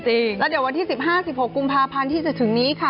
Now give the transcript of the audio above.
แล้วเดี๋ยววันที่๑๕๑๖กุมภาพันธ์ที่จะถึงนี้ค่ะ